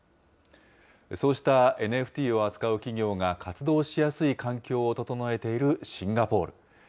そうしたＮＦＴを扱う企業が活動しやすい環境を整えているシンガポール。